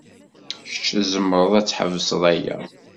Kecc tzemred ad tḥebsed aya.